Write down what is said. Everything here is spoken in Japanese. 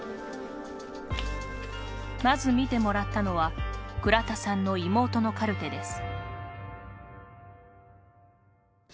まず見てもらったのは倉田さんの妹のカルテです。